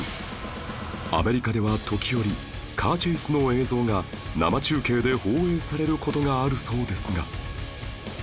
アメリカでは時折カーチェイスの映像が生中継で放映される事があるそうですが